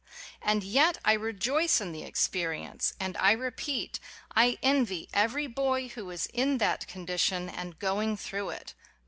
And yet I rejoice in the experience, and I repeat: I envy every boy who is in that condition and going through it.